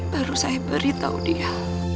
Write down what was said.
baru saya beritahu dia